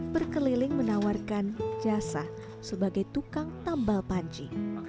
berkeliling menawarkan jasa sebagai tukang tambal panci